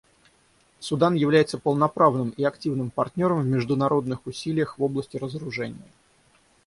Судан является полноправным и активным партнером в международных усилиях в области разоружения.